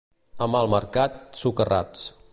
A Malmercat, socarrats.